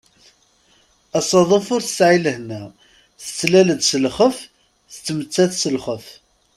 Asaḍuf ur tesεi lehna, tettlal-d s lxeff, tettmettat s lxeff.